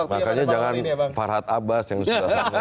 makanya jangan farhad abbas yang disuruh